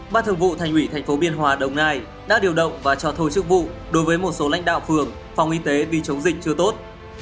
bà thường vụ thành ủy tp biên hòa đồng nai đã điều động và cho thô chức vụ đối với một số lãnh đạo phường phòng y tế vì chống dịch chưa tốt